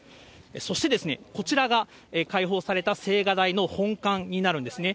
そして、こちらが開放された青瓦台の本館になるんですね。